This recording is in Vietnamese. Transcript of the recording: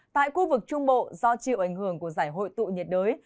tại khu vực trung bộ do chịu ảnh hưởng của giải hội tụ nhiệt đới